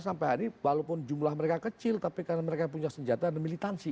sampai hari ini walaupun jumlah mereka kecil tapi karena mereka punya senjata dan militansi